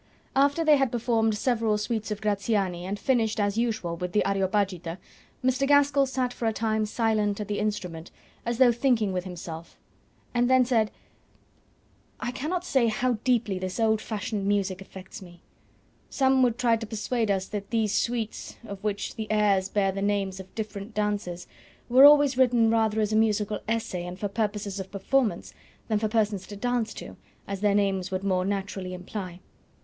After they had performed several suites of Graziani, and finished as usual with the "Areopagita," Mr. Gaskell sat for a time silent at the instrument, as though thinking with himself, and then said "I cannot say how deeply this old fashioned music affects me. Some would try to persuade us that these suites, of which the airs bear the names of different dances, were always written rather as a musical essay and for purposes of performance than for persons to dance to, as their names would more naturally imply.